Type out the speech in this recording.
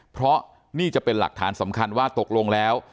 เพราะนี่จะเป็นหลักฐานสำคัญว่าตกลงแล้ว